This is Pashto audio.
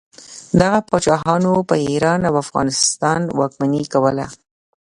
دغه پاچاهانو په ایران او افغانستان واکمني کوله.